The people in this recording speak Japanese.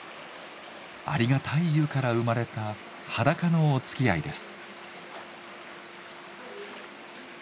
ありがたい湯から生まれた裸のおつきあいです。